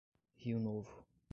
Rio Novo